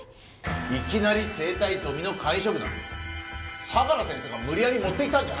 いきなり生体ドミノ肝移植なんて相良先生が無理やり持ってきたんじゃないのか？